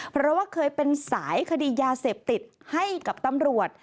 เพราะว่าเคยเป็นสายคดียาเสพติดให้กับตำรวจ